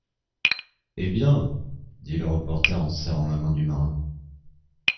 Eh bien !... dit le reporter, en serrant la main du marin